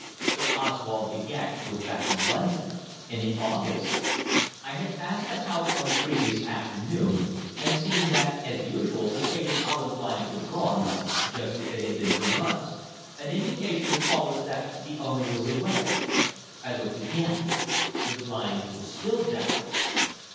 So Oswald De Gex was back in London and in August! I had passed the house on the previous afternoon and seen that as usual the faded Holland blinds were drawn, just as they had been for months, an indication to callers that the owner was away. I looked again. The blinds were still down!